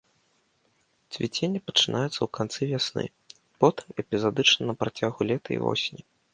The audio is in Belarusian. Цвіценне пачынаецца ў канцы вясны, потым эпізадычна на працягу лета і восені.